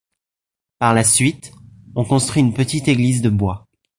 Par la suite on construit une petite église de bois.